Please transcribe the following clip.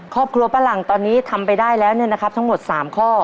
ครอบครัวปลาหลังตอนนี้ทำไปได้แล้วทั้งหมด๓ข้อ